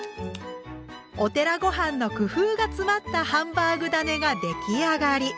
お寺ごはんの工夫が詰まったハンバーグだねが出来上がり！